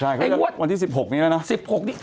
ใช่เขาเรียกว่าวันที่สิบหกนี้แล้วนะสิบหกนี้